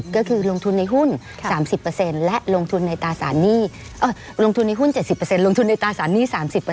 ก็คือลงทุนในหุ้น๓๐และลงทุนในตาสารหนี้๓๐